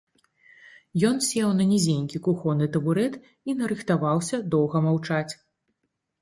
Ён сеў на нізенькі кухонны табурэт і нарыхтаваўся доўга маўчаць.